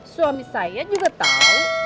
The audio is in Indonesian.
suami saya juga tahu